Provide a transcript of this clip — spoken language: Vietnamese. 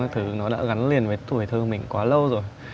thứ nó đã gắn liền với tuổi thơ mình quá lâu rồi